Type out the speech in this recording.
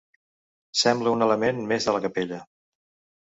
Sembla un element més de la capella.